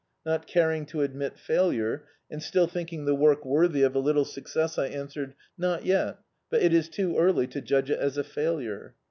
Not caring to admit failure, and still thinking the work worthy of a little suc cess, I answered — "Not yet, but it is too early to judge it as a failure."